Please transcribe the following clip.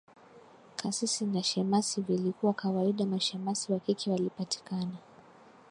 Kasisi na Shemasi vilikuwa kawaida Mashemasi wa kike walipatikana